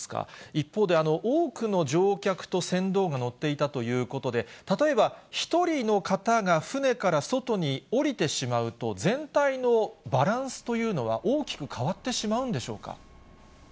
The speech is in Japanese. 一方で、多くの乗客と船頭が乗っていたということで、例えば、１人の方が船から外に降りてしまうと、全体のバランスというのは大きく変わってしまうんでしょうか。